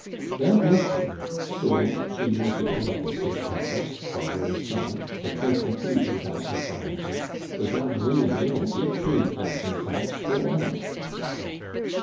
That newspaper, sold two years ago by the Sechards, father and son, for twenty two thousand francs, was now bringing in eighteen thousand francs per annum.